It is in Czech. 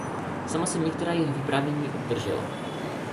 Sama jsem některá jejich vyprávění obdržela.